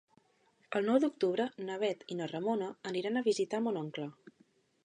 El nou d'octubre na Bet i na Ramona aniran a visitar mon oncle.